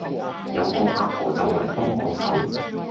有個阿婆就嚟幫我手